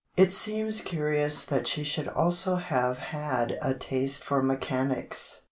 It seems curious that she should also have had a taste for mechanics.